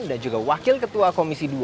dan juga wakil ketua komisi dua